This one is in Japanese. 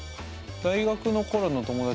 大学の頃の友達